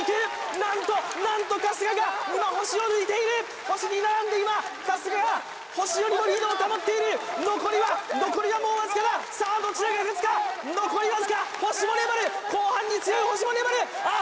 なんとなんと春日が今星を抜いている星に並んで今春日が星よりもリードを保っている残りは残りはもう僅かださあどちらが勝つか残り僅か星も粘る後半に強い星も粘るあっ